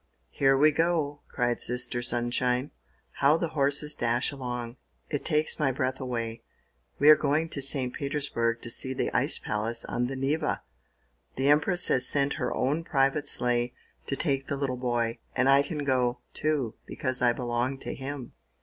"Here we go!" cried Sister Sunshine. "How the horses dash along! It takes my breath away! We are going to St. Petersburg to see the ice palace on the Neva. The Empress has sent her own private sleigh to take the little boy, and I can go, too, because I belong to him."